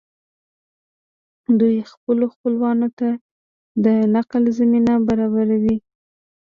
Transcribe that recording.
دوی خپلو خپلوانو ته د نقل زمینه برابروي